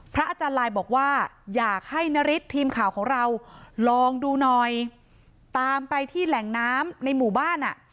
อาจารย์ลายบอกว่าอยากให้นฤทธิ์ทีมข่าวของเราลองดูหน่อยตามไปที่แหล่งน้ำในหมู่บ้านอ่ะ